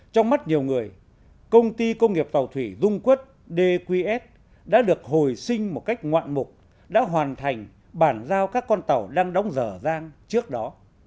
trong mắt nhiều người công ty công nghiệp tàu thủy dung quốc dqs đã được hồi sinh một cách ngoạn mục đã hoàn thành bàn giao các con tàu đang đóng dở dang trước đó